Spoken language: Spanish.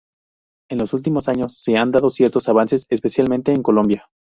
En los últimos años se han dado ciertos avances, especialmente en Colombia.